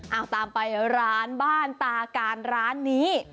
เอาตามไปร้านบ้านตาการร้านนี้